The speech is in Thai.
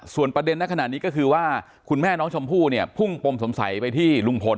ส่วนประเด็นในขณะนี้ก็คือว่าคุณแม่น้องชมพู่เนี่ยพุ่งปมสงสัยไปที่ลุงพล